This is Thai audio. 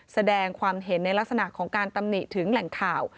แสดงความเห็นในลักษณะของการตำหนิถึงแหล่งข่าว